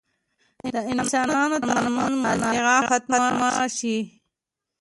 د انسانانو تر منځ منازعه ختمه شي.